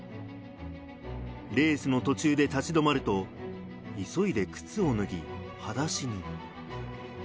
レースの途中で立ちどまると急いで靴を脱ぎ、裸足に。